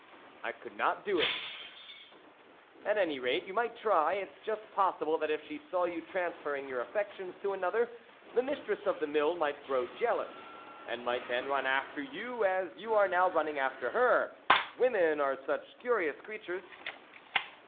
" I could not do it." THE WOLF LEADER " At any rate, you might try. It's just possible that if she saw you transferring your affections to another, the mistress of the Mill might grow jealous, and might then run after you, as you are now running after her. Women are such curious creatures